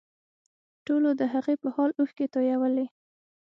ټولو د هغې په حال اوښکې تویولې